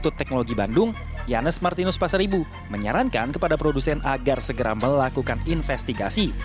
yang dikandung yannes martinus pasar ibu menyarankan kepada produsen agar segera melakukan investigasi